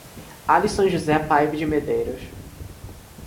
Alisson José Paiva de Medeiros